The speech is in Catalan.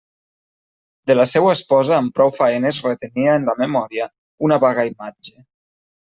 De la seua esposa amb prou faenes retenia en la memòria una vaga imatge.